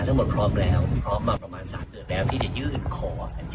๑๐วัน๒วันแล้วจะที่ควารันทีมที่บุกรณ์เสร็จ